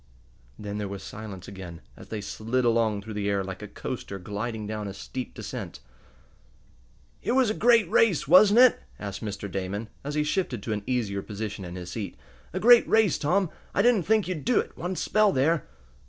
Then there was silence again, as they slid along through the air like a coaster gliding down a steep descent. "It was a great race, wasn't it?" asked Mr. Damon, as he shifted to an easier position in his seat. "A great race, Tom. I didn't think you'd do it, one spell there."